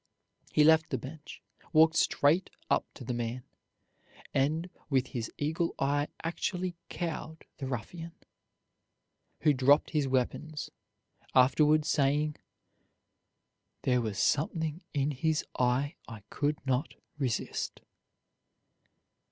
He left the bench, walked straight up to the man, and with his eagle eye actually cowed the ruffian, who dropped his weapons, afterwards saying, "There was something in his eye I could not resist."